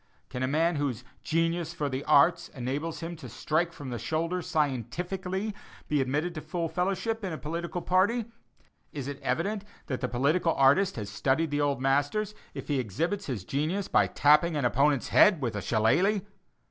Can a man whose "genius for the arts" enables him to strike from the shoulder scientifically, be admitted to full fellowship in a political party? Is it evident that the political artist has studied the old masters, if he exhibits his genius by tapping an opponent's head with a shillelagh?